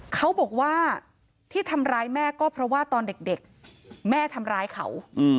เขาบอกว่าที่ทำร้ายแม่ก็เพราะว่าตอนเด็กแม่ทำร้ายเขา